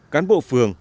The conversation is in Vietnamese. cán bộ phường